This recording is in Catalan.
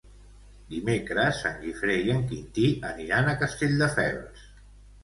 Dimecres en Guifré i en Quintí aniran a Castelldefels.